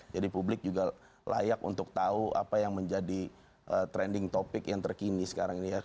jadi publik juga layak untuk tahu apa yang menjadi trending topic yang terkini sekarang ini